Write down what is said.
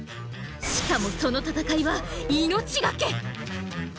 しかもその闘いは「命がけ」！